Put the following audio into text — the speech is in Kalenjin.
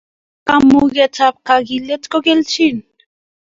Kamuket ab kagilet kokelchin